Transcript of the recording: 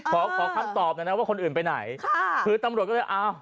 ขอขอคำตอบหน่อยนะว่าคนอื่นไปไหนค่ะคือตำรวจก็เลยอ้าว